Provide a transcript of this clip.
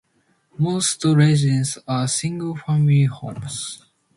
Most residences are single-family homes.